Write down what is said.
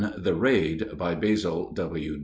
THE RAID BY BASIL W.